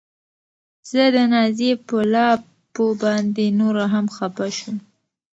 زه د نازيې په لافو باندې نوره هم خپه شوم.